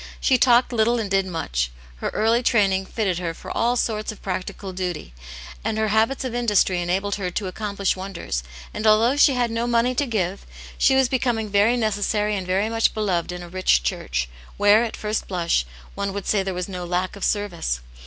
She talked little and did much ; her early training fitted her for all sorts oi ^t^cXXc^^iX ^n\Vj , Awtt yanis Hero. 125 and her habits of industry enabled her to accomplish wonders ; and though she had no money to give, she was becoming very necessary and very much beloved in a rich church, where, at first blush, one would say there was no lack of service.